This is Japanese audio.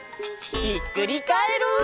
ひっくりカエル！